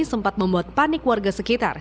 sempat membuat panik warga sekitar